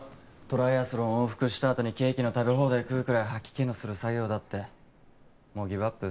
トライアスロン往復したあとにケーキの食べ放題食うくらい吐き気のする作業だってもうギブアップ？